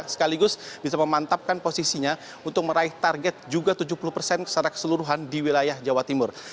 sekaligus bisa memantapkan posisinya untuk meraih target juga tujuh puluh persen secara keseluruhan di wilayah jawa timur